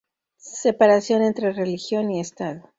Separación entre religión y estado.